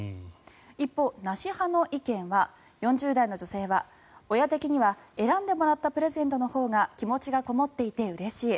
一方、なし派の意見は４０代の女性は親的には、選んでもらったプレゼントのほうが気持ちがこもっていてうれしい。